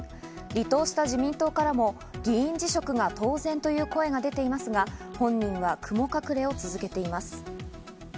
離党した自民党からも議員辞職が当然という声が出ていますが、本人は雲隠れを続けています。